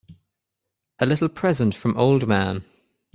A little present from old man.